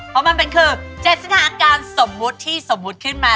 เพราะมันเป็นคือ๗สถานการณ์สมมุติที่สมมุติขึ้นมา